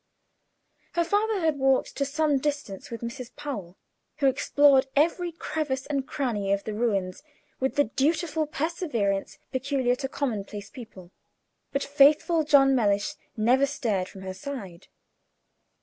Her father had walked to some distance with Mrs. Powell, who explored every crevice and cranny of the ruins with the dutiful perseverance peculiar to commonplace people; but faithful John Mellish never stirred from her side.